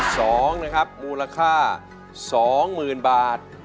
เพลงที่๒นะครับมูลค่า๒๐๐๐๐บาท